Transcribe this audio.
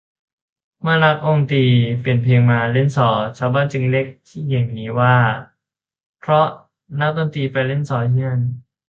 เมื่อนักดนตรีเปลี่ยนเพลงมาเล่นซอ ชาวบ้านจึงเรียกที่แห่งนี้ว่า เพราะนักดนตรีไปเล่นซอที่นั่น